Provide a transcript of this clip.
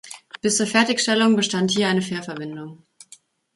Bis zur Fertigstellung bestand hier eine Fährverbindung.